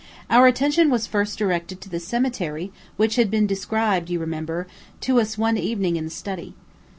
Our attention was first directed to the cemetery which had been described, you remember, to us one evening in the study.